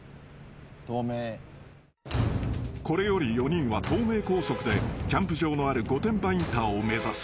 ［これより４人は東名高速でキャンプ場のある御殿場インターを目指す］